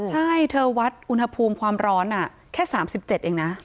ใช่เธอวัดอุณหภูมิความร้อนแค่๓๗เองนะ